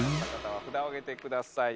札を上げてください。